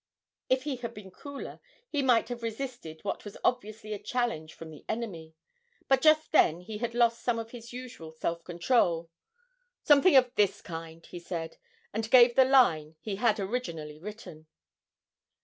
If he had been cooler he might have resisted what was obviously a challenge from the enemy, but just then he had lost some of his usual self control. 'Something of this kind,' he said, and gave the line he had originally written.